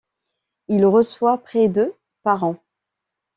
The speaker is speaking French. Il reçoit près de par an.